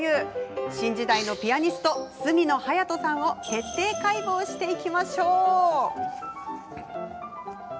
新時代のピアニスト角野隼斗さんを徹底解剖します。